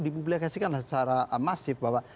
dipublikasikan secara masif bahwa